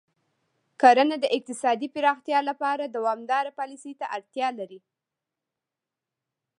کرنه د اقتصادي پراختیا لپاره دوامداره پالیسۍ ته اړتیا لري.